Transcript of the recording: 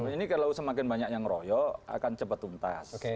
ini kalau semakin banyak yang royok akan cepat tuntas